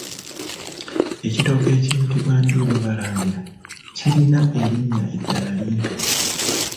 Ekitooke ekiyitibwa “Ndiibw'abalangira” kirina erinnya eddala. Limpe.